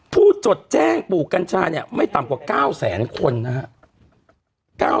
จดแจ้งปลูกกัญชาเนี่ยไม่ต่ำกว่า๙แสนคนนะครับ